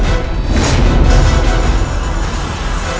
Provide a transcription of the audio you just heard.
tapi sebenarnya ada agreeation lainnya